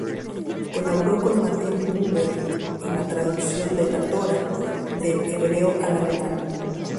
Colaboró con Martin Buber en la traducción de la Torá del hebreo al alemán.